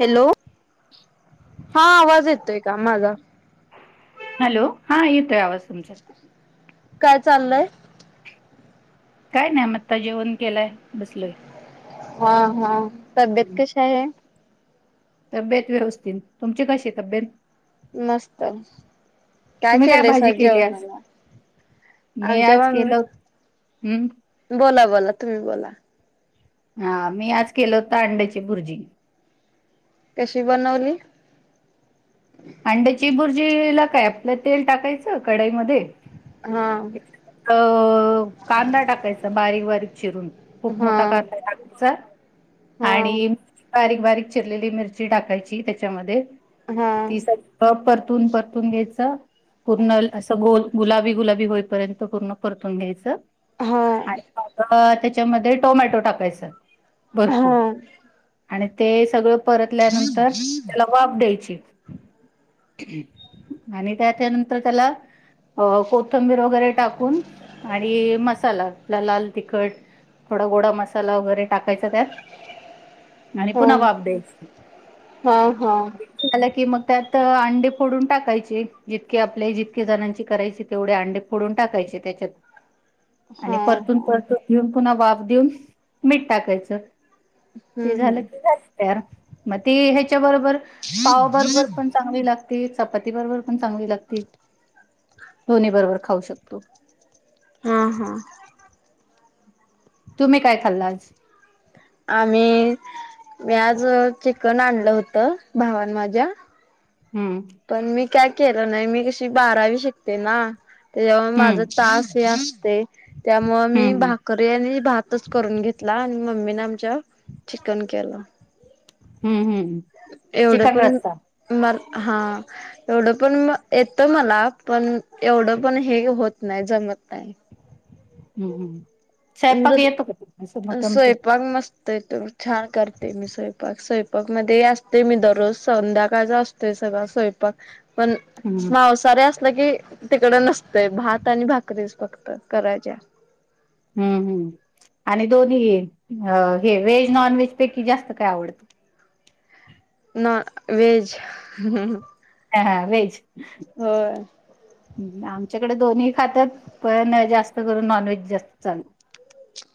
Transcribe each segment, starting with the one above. Hello. हा आवाज येतोय का माझा? काय चाललंय? काय नाही आमत्ता जेवण केलाय बसलोय. हा हा तब्येत कशा आहे. तब्येत व्यवस्थित तुमची कशी तब्येत. मस्त काय केलंय स जेवणाला. आणि जेव्हा मी बोला बोला तुम्ही बोला. हा मी आज केल होत अंड्याची भुर्जी. कशी बनवली? जेला काय आपलं तेल टाकायचं कढाईमध्ये. हा. अ कांदा टाकायचा बारीक बारीक चिरून खूप मोठा कांदा टाकायचा. आणि बारीक बारीक चिरलेली मिरची टाकायची त्याच्यामध्ये. ती सगळ परतून परतून घ्यायचं. पूर्ण असं गोल गुलाबी गुलाबी होईपर्यंत पूर्ण परतून घ्यायचं. आणि त्याच्यामध्ये टोमॅटो टाकायचा. भरपूर आणि ते सगळं परतल्यानंतर त्याला वाफ द्यायची. आणि त्याच्यानंतर त्याला अ कोथंबीर वगैरे टाकून आणि मसाला आपला लाल तिखट थोडा गोडा मसाला वगैरे टाकायचा त्यात आणि पुन्हा वाफ द्यायच त्यात अंडी फोडून टाकायचे जितके आपल्या जितके जणांची करायची तेवढे अंडी फोडून टाकायचे अशे त्याच्यात आणि परतून परतून घेऊन पुन्हा वाफ देऊन मीठ टाकायचं ते झालं झाल्यानंतर तर मग ते ह्याच्या बरोबर पावाबरो बर पण चांगली लाग ती चपाती बरोबर पण चांगली लागती दोन्ही बरोबर खाऊ शकतो हा हा तुम्ही काय खाल्ला आज आम्ही मी आज चिकन आणलं होत भावनं माझ्या हम्म काय केलं नाही मी कशी बारावी शिकते ना तेव्हा माझं तास हे असतय त्यामुळ मी भाकरी आणि भातच करून घेतला आणि मम्मीने आमच्या चिकन केलं ह हम्म एवढं पण मला हा एवढं पण म येतय मला पण एवढं पण हे होत नाही जमत नाही मग काय हम् हम् हम् स्वयंपक येतोय का नुसतच मटन येत येतो येतोय छान करते मी स्वयंपाक स्वयंपाक मध्ये असते मी दररोज संध्याकाळच असतोय सगळा स्वयंपाक पण मांसाहारी अस सलं की तिकड नसतय भात आणि भाकरीच फक्त करायच्या हम् हम् आणि दोन्ही अ हे व्हेज नॉन व्हेज पैकी जास्त काय आवडत ना व्हेज हा व्हेज होय आमच्याकडे दोन्ही खातात पण जास्त करून नॉनव्हेज जास्त चालतं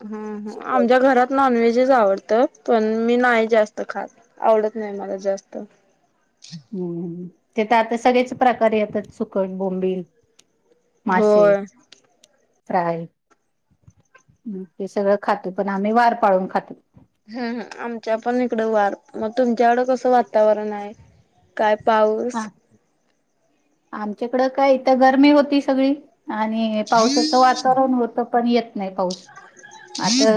ह ह आमच्या घरात नॉनव्हेज व्हेज आवडत पण मी नाही जास्त खात आवडत नाही मला जास्त हम् हम् ते तर आता सगळेच प्रकार येतात सुकट बोंबिल हो फ्राय हे सगळं खाते पण आम्ही वार पाळून खातो ह ह आमच्या पण इकडे वार मग तुमच्याकडं कसं वातावरण आहे काय पाऊस आमच्याकडं काय इथं गर्मी होती सगळी आणि पावसाचं वातावरण होतं पण येत नाही पाऊस आता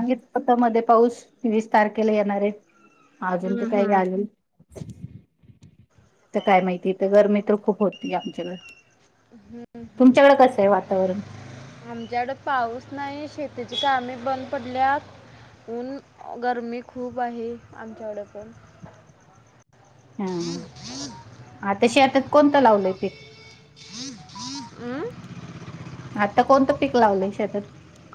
आणि आता मध्ये पाऊस वीस तारखेला येणार आहे अजून तर काही याय नाही तर काय माहिती तर गर्मी तर खूप होती आमच्याकड हम् हम आमच्याकड पाऊस नाही शेती ची कामं बंद पडल्यात पन गर्मी खूप आहे आमच्याकडे पण हा हा आता शेतात कोणतं लावलंय पीक हम् हम् अ आता कोणतं पीक लावलंय शेतात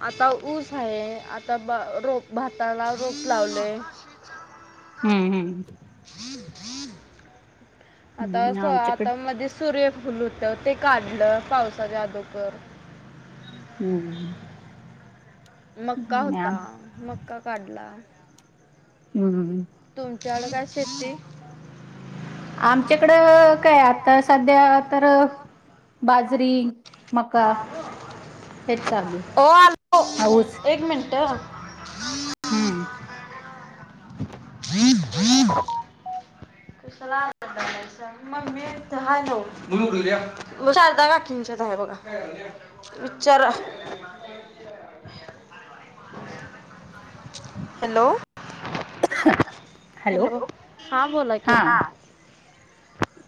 आता ऊस आहे आता भ रोप भाताला रोप लावलय त्यामुळ हम्म हम्म आता अस आता मधी सुर्यफुल फुल होत ते काढलं पावसाच्या आदूकर हम्म मक्का होता मक्का काढला हम्मम तुमच्या वड काय शेती आमच्याकडं काय आता सध्या तर बाजरी मका हेचल हऊस हम् हम्म विन बन ुला म हॅलो शारदा काकच्या ब विचार हॅलो हॅलो हां बोला की हां [unintelligible]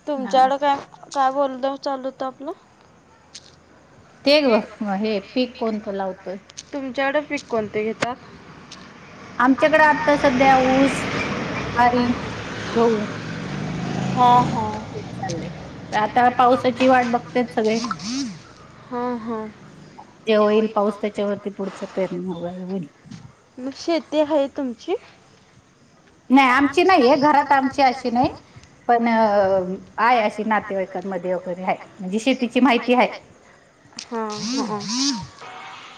तुमच्याकड काय काय बोल चालू होत आपलं तुमच्याकड पीक कोणते घेतात आमच्याकडें आता सध्या ऊस आारी गहू हा हा चाले तर आता पावसाची वाट बघते सगळे हा हा ते होईल पाऊस त्याच्यावरती पुढच्या पेरणी शेती आहे तुमची नाही आमची नाही आहे घरात आमची अशी नाही पण आहे अशी नातेवाईकांमध्ये वगैरे आहे म्हणजे शेतीची माहिती आहे हा ह्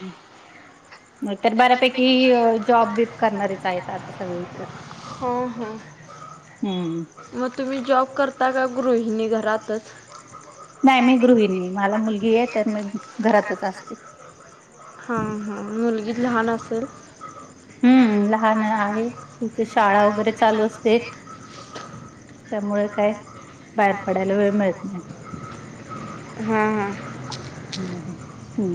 हम्म तर बऱ्यापैकी जॉब बी करणारेच आहेत आता सगळीकडे ह ह मग तुम्ही जॉब करता का गृहिणी घरातच नाही मी गृहिणी आहे मला मुलगी आहे तर म घरातच असते हा हा मुलगी लहान असेल शाळा वगैरे चालू असते त्यामुळे काय बाहेर पडायला वेळ मिळत नाही हम हम हम् हो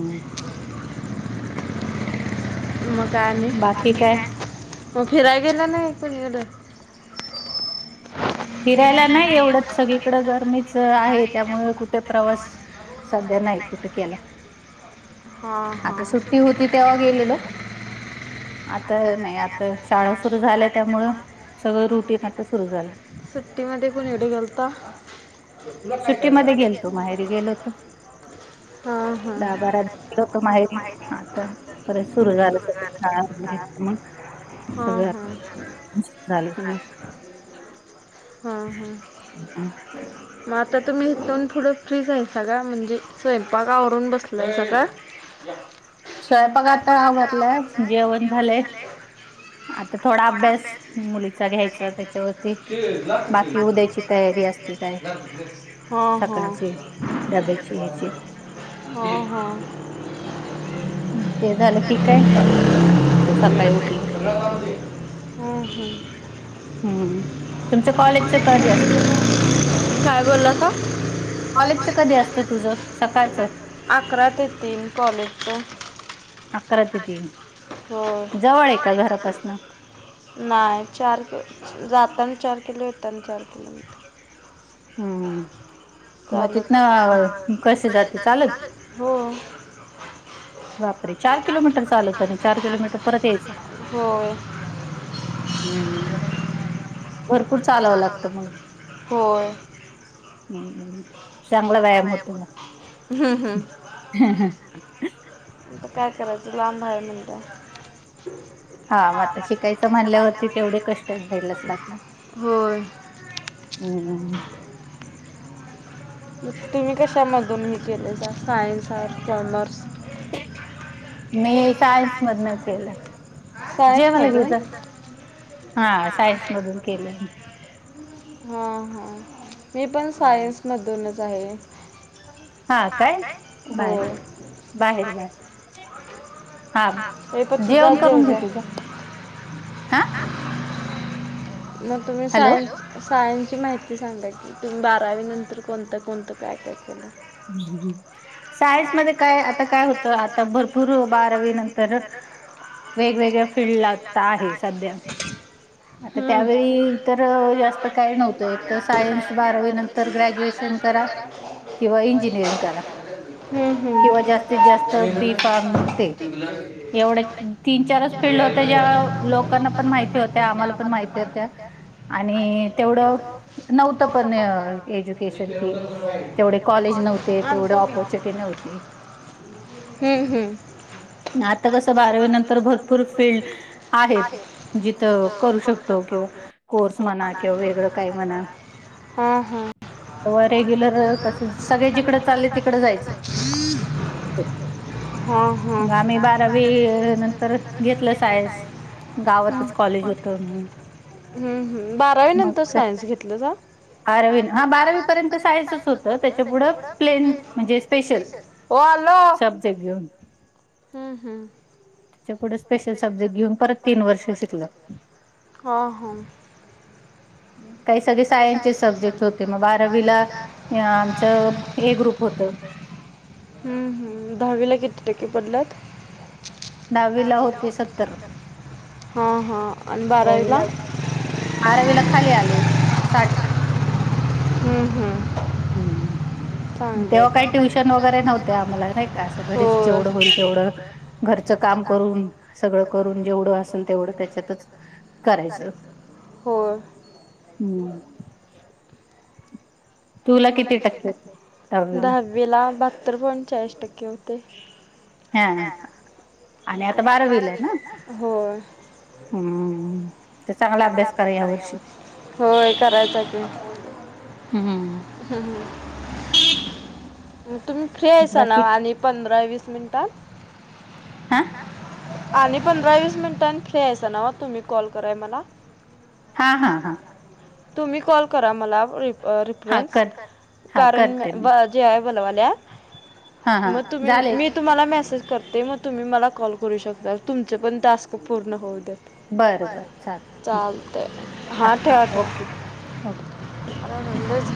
मग काय म फिरय मला नाही प घड फिरायला नाही एवढंच सगळीकडे गरमीच आहे त्यामुळे कुठे प्रवास सध्या नाही कुतं केला ह ह सुखी होतीच्या गे आता नाही आता शाळा सुरू झाल्या त्यामुळं सगळं रुटीन आता सुरू झालं सुट्टीमध्ये खणी एवडे घालता तुध्ये हा हा लोक माहिती ह हा ह हम म आता तुम्ही इथून थोडं फ्री जायच का म्हणजे स्वयंपाक आवरून बसलाय स का [inaudible] स्वयंपाक आता आवारलाय जेवण झालयं आता थोडा अभ्यास ह्याच घ्यायचं त्याच बाकी उद्याची तयारी ह हा. हो हो. ते झालं की काय सकाळी उठलं हम हम. हम्म तुमचं कॉलेजच कधी असतो? झाल का अकरा ते तीन [unintelligible] अकरा ते तीन जवळ आहे का घरापासन? नाही चार कि जाताना चार किलो येता ना चार किलो मीटर. हम्म. चालत हो. बापरे चार किलोमीटर चालत आणि चार किलोमीटर परत यायचं. हम्म. भरपूर चालावं लागतं मग हम चांगला व्यायाम होतो मग अ ह ह. आता काय करायचं लांब आहे म्हणल्यावर होय. हम्. तुम्ही कशामधूनही केलायसा. Science or commerce. मी सायन्स मधन केलं. जे मला घेयचं हा सायन्स मधून केलं मी हां हां मी पण सायन्समधूनच आहे. हा काय हो आहे हा ये पतु जा जेवजा आ मग तुम्ही सायन सायन्स ती माहिती सांगायची तुम्ही बारावी नंतर कोणतं कोणतं काय काय केलं? [unintelligible] सायन्समध्ये काय आता काय होतं आता भरपूर बारावी नंतर [inaudible] वेगवेगळ्या फिल्डला आता आहे. सध्या आता त्यावेळी तर जास्त काय नव्हतं एक तर सायन्स बारावी नंतर ग्रॅज्युएशन करा. किंवा इंजिनिअरिंग करा किंवा जास्तीत जास्त बी फारम ते एवढ्या तीन चारच फिल्ड होत्या, ज्या लोकांना पण माहिती होत्या आम्हाला पण माहिती होत्या. आणि तेवढं नव्हतं पण एज्युकेशन. तेरोंदर झाय [unintelligible] तेवढे कॉलेज नव्हते तेवढे ऑपॉर्चुनिटी नव्हती. आता कसं बारावीनंतर भरपूर फीलल्ड आहेत जिथं करू शकतो किंवा कोर्स म्हणा किं वेगळ काय म्हणा. ह ह. तेव्हा रेग्युलर कस सगळे जिकडं चालेत तिकडं जायचं. हा ह. मग आम्ही बारावी नंतर घेतलं सायन्स. गावातच कॉलेज होत. हम्म् हम्म बारावी नंतर सायन्स घेतलं सा. बारावी पर्यत साय होत, त्याच्या पुढ प्लेन म्हणजे स्पेश सब्जेक्ट. घेऊन हम्म हम्म वष काही सगळे सायन्सचे सब्जेक्ट होते मग बारावीला... आमचं ए ग्रुप होतं [inaudible] हम्म हम्म दहावीला किती टक्के पडल्यात दहावीला होते सत्तर हां हां बारावीला बारावीला खाली आले साठ हम्म तेव्हा काही ट्युशन वगैरे नव्हत्या आम्हाला नाही का.. असं घरीच जेवढं होईल तेवढं... घरचं काम करून सगळं करून जेवढं असल तेवढं त्याच्यातच करायचं होय हम्म मुलं कितवीत असतेत... दहावीला बहात्तर पॉईंट चाळीस टक्के होते हा आणि आता बारावीला आहे ना... हम् आता चांगला अभ्यास करा या वर्षी होय करायचं की हम् हम हम्म... तुम्ही फ्री हाईसाना ना... आणि पंधरा वीस मिनिटं पंधरा वीस मिनिटांनी फ्री हाईसाना तुम्ही... कॉल कराय मला हा... हा... हा... तुम्ही कॉल करा मला [inaudible] हा करते... कारण... जेवायला बोलवाल्यात मग तुम्ही मी तुम्हाला मेसेज करते मग तुम्ही मला कॉल करू शकता तुमचे पण टास्क पूर्ण होऊ दे बरं... चालतंय.. हा ठेवा ठेवा [inaudible]